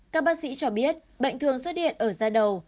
các bác sĩ cho biết bệnh thường xuất hiện ở giai đầu